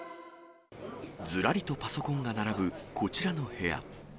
ずらりとパソコンが並ぶこちらの部屋。